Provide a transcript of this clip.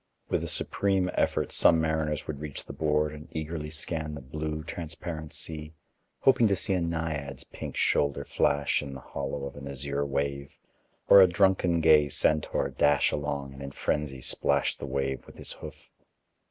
With a supreme effort some mariners would reach the board and eagerly scan the blue, transparent deep, hoping to see a naiad's pink shoulder flash in the hollow of an azure wave, or a drunken gay centaur dash along and in frenzy splash the wave with his hoof.